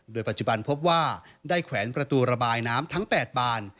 โดยปัจจุบันพบว่าได้แขวนประตูระบายน้ำทั้ง๘บาน